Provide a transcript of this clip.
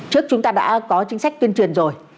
trước chúng ta đã có chính sách tuyên truyền rồi